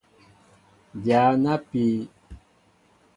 Dya na pii.